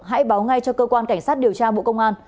hãy báo ngay cho cơ quan cảnh sát điều tra bộ công an